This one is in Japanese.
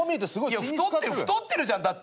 いや太ってる太ってるじゃんだって。